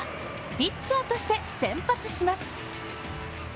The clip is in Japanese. ピッチャーとして先発します。